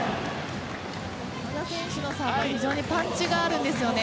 和田選手のサーブはパンチがあるんですよね。